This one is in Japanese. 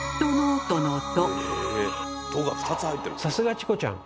さすがチコちゃん！